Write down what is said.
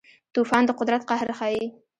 طوفان د قدرت قهر ښيي.